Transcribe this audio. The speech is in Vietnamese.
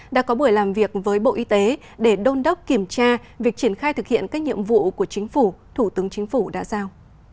đã có buổi làm việc với bộ y tế để đôn đốc kiểm tra việc triển khai thực hiện các nhiệm vụ của chính phủ thủ tướng chính phủ đã giao